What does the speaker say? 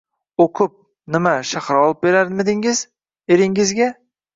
oʼqib, nima, shahar olib berarmidingiz eringizga!